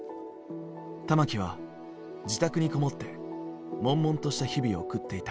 玉置は自宅に籠もって悶々とした日々を送っていた。